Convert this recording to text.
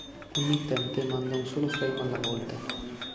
Un mittente manda un solo frame alla volta.